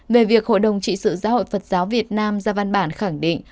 về việc hội đồng trị sự giáo hội phật giáo việt nam ra văn bản khẳng định